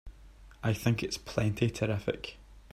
I think it's plenty terrific!